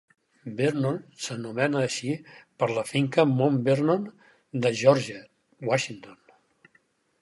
Vernon s'anomena així per la finca Mount Vernon de George Washington.